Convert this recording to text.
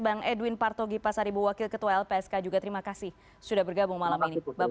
bang edwin parto gipasaribu wakil ketua lpsk juga terima kasih sudah bergabung malam ini